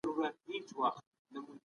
د استاد مشوره بايد هر چا ومني.